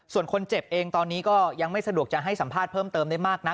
ส่วนคนเจ็บเองตอนนี้ก็ยังไม่สะดวกจะให้สัมภาษณ์เพิ่มเติมได้มากนัก